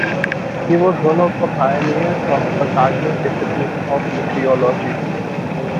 He was one of the pioneers of the academic discipline of missiology.